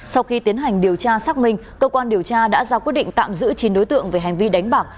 sau khi tiến hành điều tra xác minh cơ quan điều tra đã ra quyết định tạm giữ chín đối tượng về hành vi đánh bạc